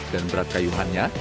dan berat kayuhannya